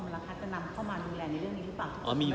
แล้วใช้ภาระบคอมละค่ะ